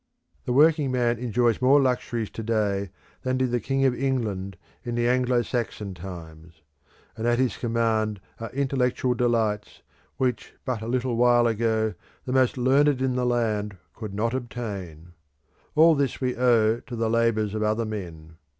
The working man enjoys more luxuries to day than did the King of England in the Anglo Saxon times; and at his command are intellectual delights, which but a little while ago the most learned in the land could not obtain. All this we owe to the labours of other men.